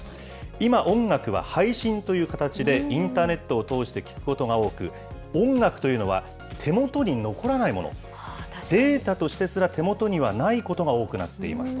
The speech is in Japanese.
今、音楽は配信という形で、インターネットを通して聴くことが多く、音楽というのは、手元に残らないもの、データとしてすら手元にはないことが多くなっています。